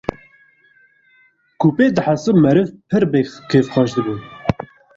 ku pê dihesin meriv pir bi kêfxweş dibûn